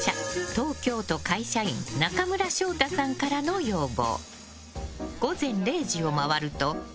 東京都、会社員中村翔太さんからの要望。